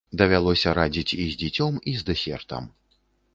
Давялося радзіць і з дзіцём, і з дэсертам.